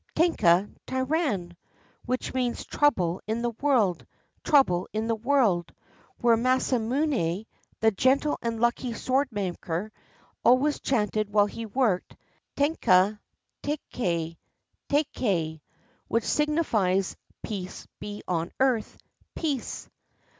tenka tairan," which means "trouble in the world, trouble in the world," whereas Masamune, the gentle and lucky sword maker, always chanted while he worked ^^ tenka 380 THE SWORD OF JAPAN taihei, taikei,^' which signifies "peace be on earth — peace!